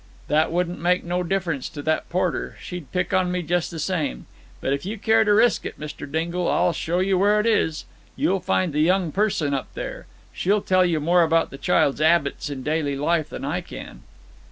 "That wouldn't make no difference to that Porter. She'd pick on me just the same. But, if you care to risk it, Mr. Dingle, I'll show you where it is. You'll find the young person up there. She'll tell you more about the child's 'abits and daily life than I can."